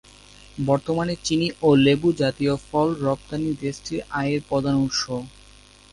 বর্তমানে চিনি ও লেবু জাতীয় ফল রপ্তানি দেশটির আয়ের প্রধান উৎস।